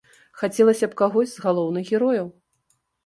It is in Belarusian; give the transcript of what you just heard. Хацелася б кагось з галоўных герояў.